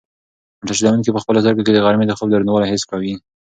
موټر چلونکی په خپلو سترګو کې د غرمې د خوب دروندوالی حس کوي.